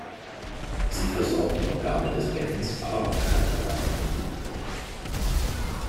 Sie versorgt die Organe des Beckens, aber auch die Körperwand mit Blut.